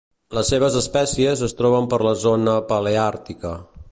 Les seves espècies es troben per la zona paleàrtica.